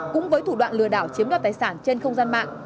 cũng với thủ đoạn lừa đảo chiếm đoạt tài sản trên không gian mạng